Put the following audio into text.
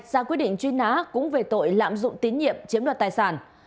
ra quyết định truy nã cũng về tội lạm dụng tín nhiệm chiếm đoạt tài sản